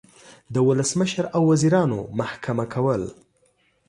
د ولسمشر او وزیرانو محکمه کول